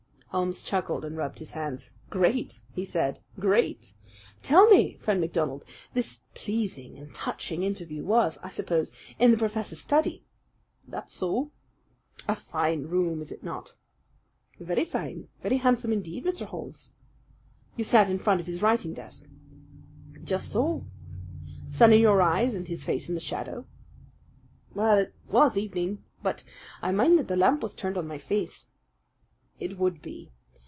Holmes chuckled and rubbed his hands. "Great!" he said. "Great! Tell me, Friend MacDonald, this pleasing and touching interview was, I suppose, in the professor's study?" "That's so." "A fine room, is it not?" "Very fine very handsome indeed, Mr. Holmes." "You sat in front of his writing desk?" "Just so." "Sun in your eyes and his face in the shadow?" "Well, it was evening; but I mind that the lamp was turned on my face." "It would be.